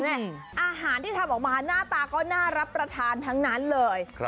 อาหารที่ทำออกมาหน้าตาก็น่ารับประทานทั้งนั้นเลย